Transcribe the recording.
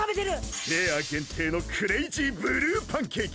フェア限定のクレージーブルーパンケーキ。